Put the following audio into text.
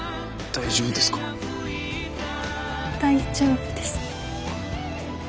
大丈夫です。